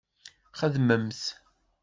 Xedmemt!